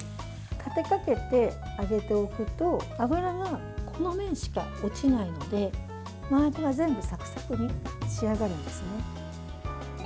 立てかけてあげておくと油が、この面しか落ちないので周りが全部サクサクに仕上がるんですね。